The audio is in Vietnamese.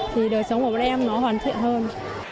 thì đời sống của các em nó hoàn thiện hơn